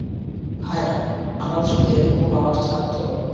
ভায়া, আমার যদি এখনও পাওয়ার থাকত!